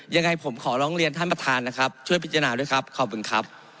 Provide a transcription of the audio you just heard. ยังไงผมขอร้องเรียนท่านประธานนะครับช่วยพิจารณาด้วยครับขอบคุณครับ